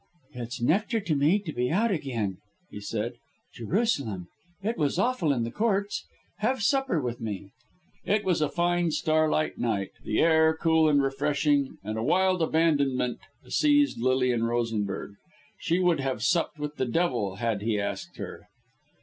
"It's nectar to me to be out again," he said. "Jerusalem! it was awful in the Courts. Have supper with me." It was a fine starlight night the air cool and refreshing, and a wild abandonment seized Lilian Rosenberg. She would have supped with the devil had he asked her.